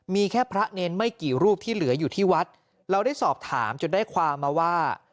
มีแค่พระเนรไม่กี่รูปที่เหลืออยู่ที่วัดเราได้สอบถามจนได้ความมาว่า